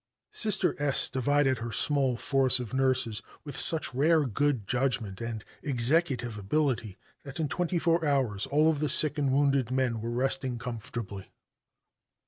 Sister S divided her small force of nurses with such rare good judgment and executive ability that in twenty four hours all of the sick and wounded men were resting comfortably.